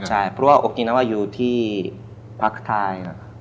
ใช่เพราะว่าโอกินาว่าอยู่ที่ภาคไทยนะครับ